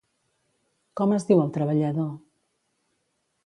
Com es diu el treballador?